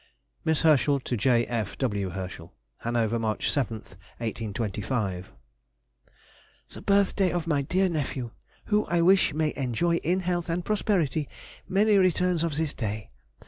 ] MISS HERSCHEL TO J. F. W. HERSCHEL. HANOVER, March 7, 1825. The birthday of my dear nephew! who I wish may enjoy in health and prosperity many returns of this day.